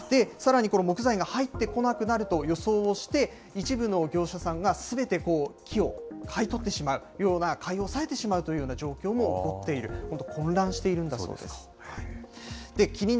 さらにこの木材が入ってこなくなると予想をして、一部の業者さんがすべて木を買い取ってしまうような、買い押さえてしまうというような状況も起こっている、本当、混乱しているんだそうです。